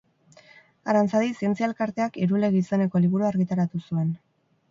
Aranzadi zientzia elkarteak Irulegi izeneko liburua argitaratu zuen